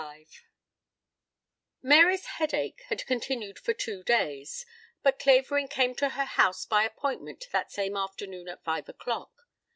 XLV Mary's "headache" had continued for two days, but Clavering came to her house by appointment that same afternoon at five o'clock.